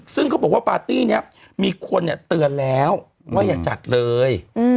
ซึ่งเขาบอกว่าปาร์ตี้นี้มีคนเตือนแล้วว่าอย่าจัดเลย